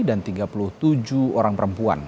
tiga puluh tujuh orang perempuan